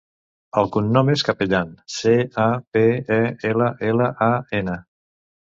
El cognom és Capellan: ce, a, pe, e, ela, ela, a, ena.